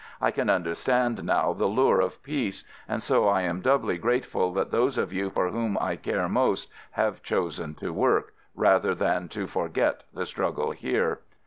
I can understand now the lure of peace — and so I am doubly grateful that those of you for whom I care most 150 AMERICAN AMBULANCE have chosen to work — rather than to for get the struggle here.